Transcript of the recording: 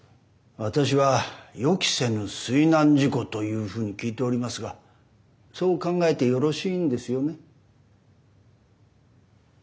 私は予期せぬ水難事故というふうに聞いておりますがそう考えてよろしいんですよね？